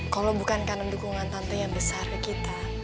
kalau bukan karena dukungan tante yang besar ke kita